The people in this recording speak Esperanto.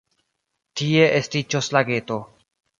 Tie estiĝos lageto.